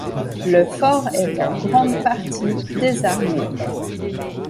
Le fort est en grande partie désarmé.